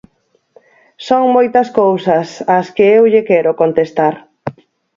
Son moitas cousas as que eu lle quero contestar.